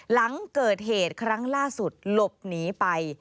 หลังเกิดเหตุครั้งล่าสุดหลบหนีไป